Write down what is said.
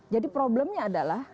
jadi problemnya adalah